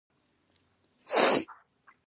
زه د خپلي روغتیا له پاره ورزش کوم.